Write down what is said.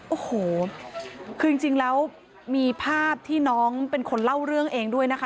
โอ้โหคือจริงแล้วมีภาพที่น้องเป็นคนเล่าเรื่องเองด้วยนะคะ